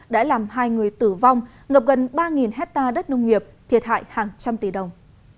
đã làm hai người tử vong ngập gần ba hectare đất nông nghiệp thiệt hại hàng trăm tỷ đồng